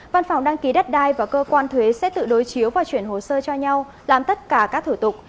văn phòng đăng ký đất đai và cơ quan thuế sẽ tự đối chiếu và chuyển hồ sơ cho nhau làm tất cả các thủ tục